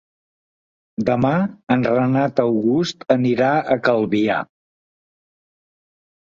Demà en Renat August anirà a Calvià.